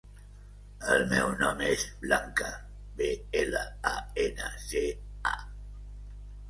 El meu nom és Blanca: be, ela, a, ena, ce, a.